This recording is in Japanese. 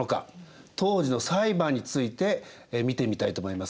当時の裁判について見てみたいと思います。